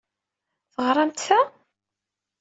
Teɣṛamt ta?